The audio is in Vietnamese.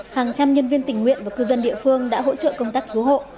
hàng trăm nhân viên tình nguyện và cư dân địa phương đã hỗ trợ công tác cứu hộ